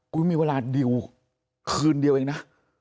คุยมีเวลาเดี๋ยวคืนเดียวเองนะ